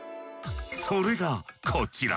それがこちら。